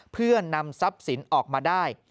เพื่อนำทรัพย์สินออกมาได้